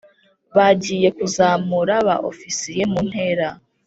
bagiye kuzamura ba ofisiye mu ntera